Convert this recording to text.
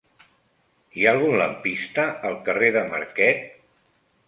Hi ha algun lampista al carrer de Marquet?